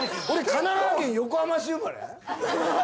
神奈川県横浜市生まれ？